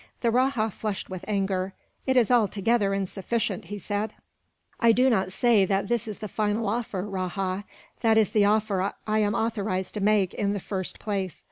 The rajah flushed with anger. "It is altogether insufficient," he said. "I do not say that is the final offer, Rajah; that is the offer I am authorized to make, in the first place.